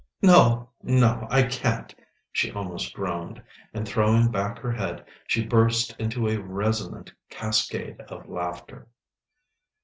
"No, no, I can't," she almost groaned, and throwing back her head, she burst into a resonant cascade of laughter.